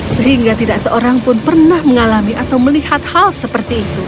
sehingga tidak seorang pun pernah mengalami atau melihat hal seperti itu